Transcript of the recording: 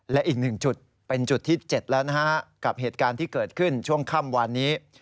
และอีก๑จุดเป็นจุดที่๗แล้วนะฮะกับเหตุการณ์ที่เกิดขึ้นช่วงค่ำวานนี้